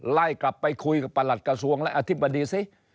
ไล่กลับไปคุยกับประหลัดกระทรวงและอธิบดีซิ